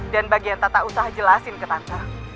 dan bagian tata usaha jelasin ke tante